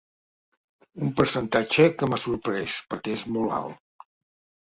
Un percentatge que m’ha sorprès perquè és molt alt.